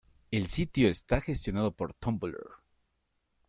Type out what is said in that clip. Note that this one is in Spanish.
El sitio está gestionado por Tumblr.